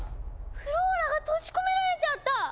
フローラが閉じ込められちゃった！